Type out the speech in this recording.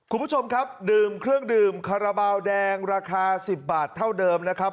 คุณผู้ชมครับดื่มเครื่องดื่มคาราบาลแดงราคา๑๐บาทเท่าเดิมนะครับ